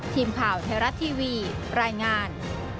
ทีมข่าวไทยรัฐทีวีรายงาน